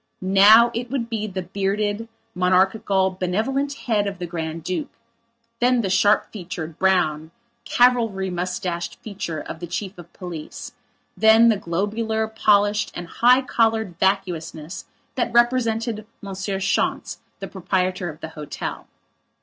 Now it would be the bearded, monarchical, benevolent head of the Grand Duke; then the sharp featured, brown, cavalry moustached feature of the chief of police; then the globular, polished and high collared vacuousness that represented Monsieur Schontz, the proprietor of the hotel.